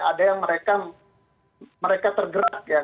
ada yang mereka tergerak ya